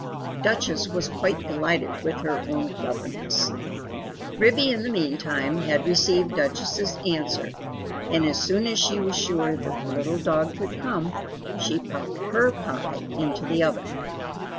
Duchess was quite delighted with her own cleverness! Ribby in the meantime had received Duchess's answer, and as soon as she was sure that the little dog would come she popped HER pie into the oven.